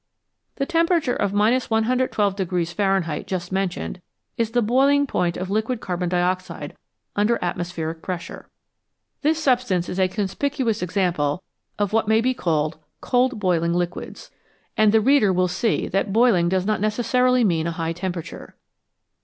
The temperature of 112 Fahrenheit just mentioned is the boiling point of liquid carbon dioxide under atmospheric pressure ; this substance is a conspicuous example of what may be called "cold boiling liquids," 185 BELOW ZERO and the reader will see that boiling does not necessarily mean a high temperature.